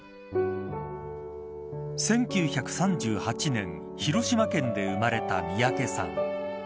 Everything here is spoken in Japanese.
１９３８年広島県で生まれた三宅さん。